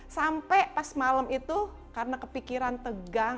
sampai pas malam itu karena kepikiran tegang